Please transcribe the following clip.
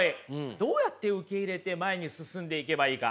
どうやって受け入れて前に進んでいけばいいか。